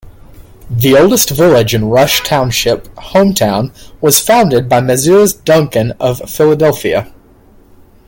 The oldest village in Rush Township, Hometown was founded by Messrs. Duncan of Philadelphia.